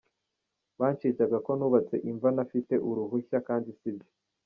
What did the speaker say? Banshinjaga ko nubatse imva ntafite uruhushya kandi sibyo.